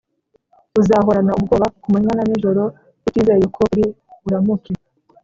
uzahorana ubwoba ku manywa na nijoro utizeye ko uri buramuke